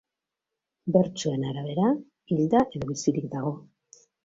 Bertsoen arabera, hilda edo bizirik dago.